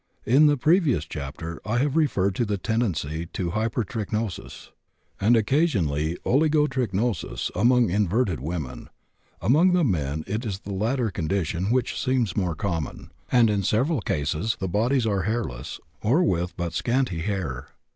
In the previous chapter I have referred to the tendency to hypertrichosis and occasionally oligotrichosis among inverted women; among the men it is the latter condition which seems more common, and in several cases the bodies are hairless, or with but scanty hair.